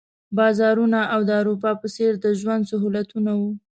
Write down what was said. بازارونه او د اروپا په څېر د ژوند سهولتونه وو.